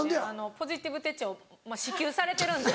ポジティブ手帳支給されてるんで。